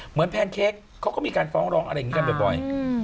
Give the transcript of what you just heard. แพนเค้กเขาก็มีการฟ้องร้องอะไรอย่างนี้กันบ่อย